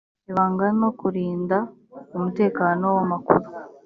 ibanga no kurinda umutekano w amakuru